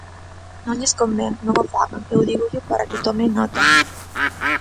Non lles convén, non o fagan, eu dígollo para que tome nota.